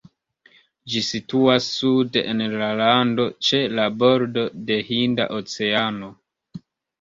Ĝi situas sude en la lando, ĉe la bordo de Hinda Oceano.